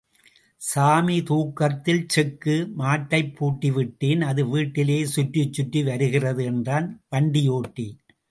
சாமி தூக்கத்தில் செக்கு மாட்டைப் பூட்டிவிட்டேன், அது வீட்டிலே சுற்றிச் சுற்றி வருகிறது என்றான் வண்டியோட்டி.